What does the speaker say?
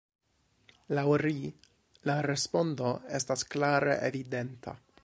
Laŭ ri, la respondo estas klare evidenta!